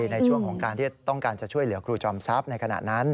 ในช่วงของการที่ต้องการจะช่วยเหลือครูจอมทรัพย์ในขณะนั้น